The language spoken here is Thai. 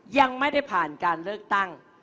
ยังไม่ได้ผ่านการเลือกตั้ง